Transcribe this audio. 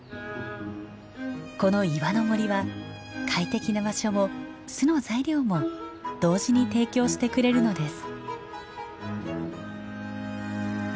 この岩の森は快適な場所も巣の材料も同時に提供してくれるのです。